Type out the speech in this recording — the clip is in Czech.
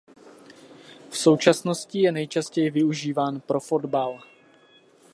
V současnosti je nejčastěji využíván pro fotbal.